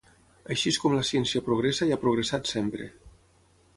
Així és com la ciència progressa i ha progressat sempre.